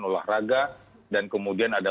olahraga dan kemudian ada